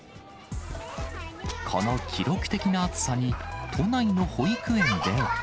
この記録的な暑さに、都内の保育園では。